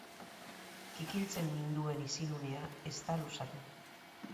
Kikiltzen ninduen isilunea ez da luzatu.